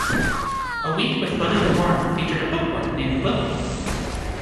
"A Week with Willi the Worm" featured a bookworm named Willi.